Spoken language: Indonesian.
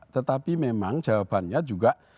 tetapi memang jawabannya juga